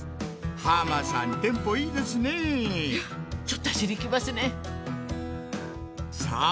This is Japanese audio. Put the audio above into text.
浜さんテンポいいですねぇいやちょっと脚にきますねさあ